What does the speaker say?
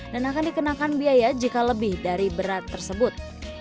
dan akan dikenakan biaya jika lebih dari berat tersebut